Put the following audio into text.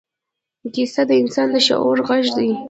کیسه د انسان د شعور غږ دی.